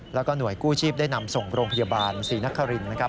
แล้วก็หน่วยกู้ชีพได้นำส่งโรงพยาบาลศรีนครินนะครับ